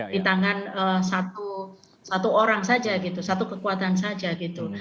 di tangan satu orang saja gitu satu kekuatan saja gitu